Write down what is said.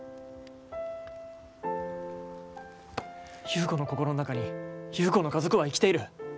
優子の心の中に優子の家族は生きている。